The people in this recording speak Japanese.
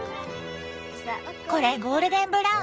これゴールデンブラウン？